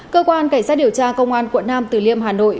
cơ quan cảnh sát điều tra công an quận nam từ liêm hà nội